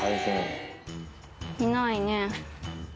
いないね。